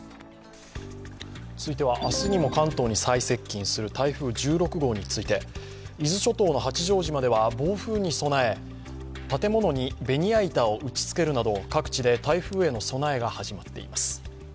続いては明日にも関東に最接近する台風１６号について伊豆諸島の八丈島では暴風に備え、建物にベニヤ板を打ち付けるなど各地で台風への備えが始まっています。